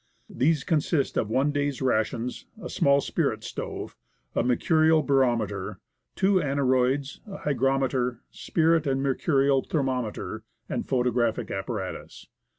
These consist of one day's rations, a small spirit stove, a mercurial barometer, two aneroids, a hygrometer, spirit and mercurial thermometer, and photographic apparatus.